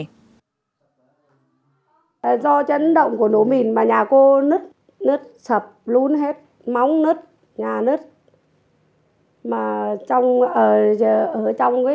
do chấn động của nổ mìn mà nhà cô nứt nứt sập lún hết móng nứt nhà nứt